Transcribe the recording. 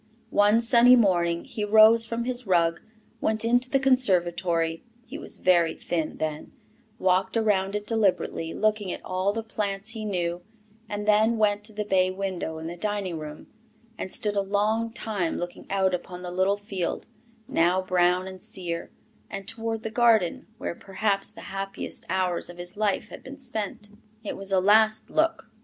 One sunny morning, he rose from his rug, went into the conservatory (he was very thin then), walked around it deliberately, looking at all the plants he knew, and then went to the bay window in the dining room, and stood a long time looking out upon the little field, now brown and sere, and toward the garden, where perhaps the happiest hours of his life had been spent. It was a last look.